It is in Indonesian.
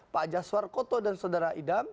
pak jaswar koto dan saudara idam